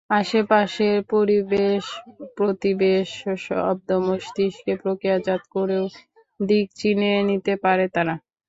আশপাশের পরিবেশ-প্রতিবেশ, শব্দ মস্তিষ্কে প্রক্রিয়াজাত করেও দিক চিনে নিতে পারে তারা।